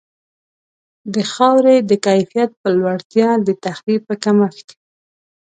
د خاورې د کیفیت په لوړتیا، د تخریب په کمښت.